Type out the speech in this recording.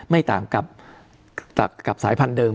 ไม่ต่างกับสายพันธุเดิม